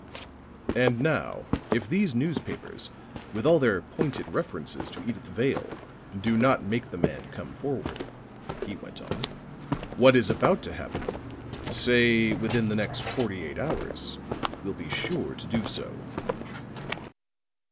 "And now if these newspapers, with all their pointed references to Edyth Vale, do not make the man come forward," he went on, "what is about to happen say within the next forty eight hours will be sure to do so."